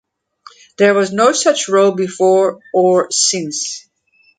There was no such role before or since.